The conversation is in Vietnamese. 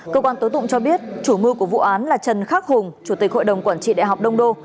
cơ quan tố tụng cho biết chủ mưu của vụ án là trần khắc hùng chủ tịch hội đồng quản trị đại học đông đô